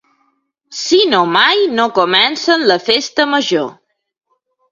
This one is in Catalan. Si no mai no comencen la Festa Major...